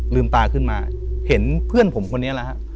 ลืมตาขึ้นมาเห็นเพื่อนผมคนนี้แล้วครับ